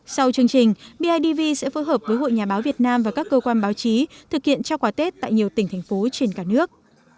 sau chương trình bidv sẽ phối hợp với hội nhà báo việt nam và các cơ quan báo chí thực hiện trao quả tết tại nhiều tỉnh thành phố trên cả nước